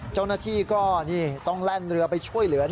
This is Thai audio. เจ้าหน้าที่ก็ต้องแล่นเรือไปช่วยเหลือ